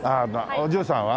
お嬢さんは？